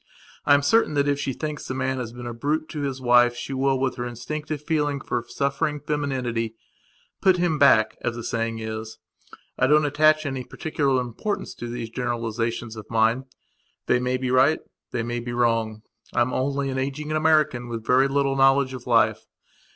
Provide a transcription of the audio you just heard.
I am certain that if she thinks the man has been a brute to his wife she will, with her instinctive feeling for suffering femininity, "put him back", as the saying is. I don't attach any particular importance to these generalizations of mine. They may be right, they may be wrong; I am only an ageing American with very little knowledge of life.